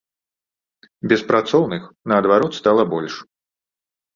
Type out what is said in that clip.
Беспрацоўных, наадварот, стала больш!